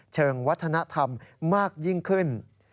เชิงวัฒนธรรมมากยิ่งขึ้น